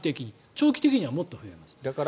長期的にはもっと増えます。